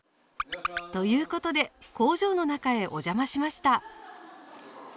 ということで工場の中へお邪魔しました。